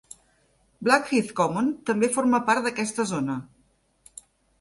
Blackheath Common també forma part d'aquesta zona.